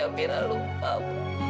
amira lupa bu